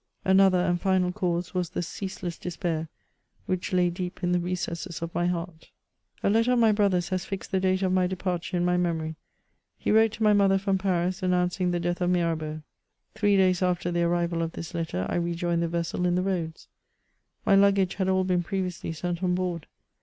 Another and final cause was the ceaseless despair which lay deep in the recesses of my heart. A letter of my brother's has fixed the date of my departure in my memory ; he wrote to my mother from Paris^ announcing the death of Mirabeau. Three days after the arrival of this letter I rejoined the vessel in the roadis ; my luggage had all been previously sent on board.